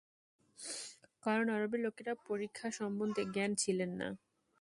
কারণ, আরবের লোকেরা পরিখা সম্বন্ধে জ্ঞাত ছিলেন না।